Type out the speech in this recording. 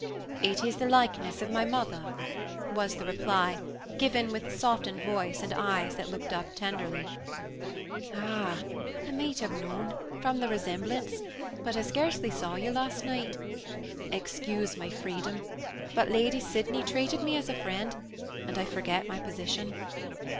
"It is the likeness of my mother" was the reply, given with a softened voice and eyes that looked up tenderly. "Ah, I might have known, from the resemblance, but I scarcely saw you last night. Excuse my freedom, but Lady Sydney treated me as a friend, and I forget my position.